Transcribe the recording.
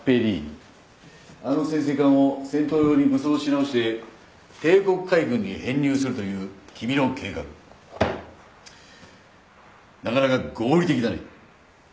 あの潜水艦を戦闘用に武装し直して帝国海軍に編入するという君の計画なかなか合理的だね。